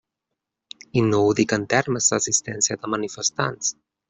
I no ho dic en termes d'assistència de manifestants.